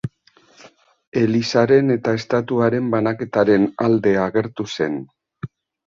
Elizaren eta Estatuaren banaketaren alde agertu zen.